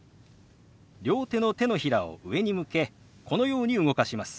両手の手のひらを上に向けこのように動かします。